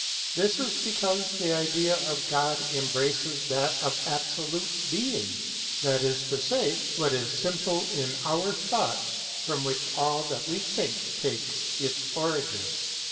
This is because the idea of God embraces that of absolute being, that is to say, what is simple in our thoughts, from which all that we think takes its origin.